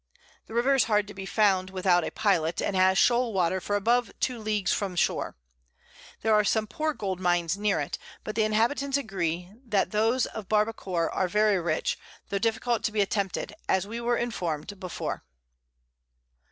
The River is hard to be found without a Pilot, and has Shole Water for above 2 Leagues from Shore, There are some poor Gold Mines near it, but the Inhabitants agree that those of Barbacore are very rich, tho' difficult to be attempted, as we were informed before.